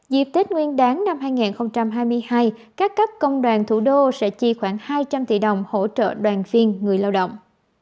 dịp tết nguyên đáng năm hai nghìn hai mươi hai các cấp công đoàn thủ đô sẽ chi khoảng hai trăm linh tỷ đồng hỗ trợ đoàn viên người lao động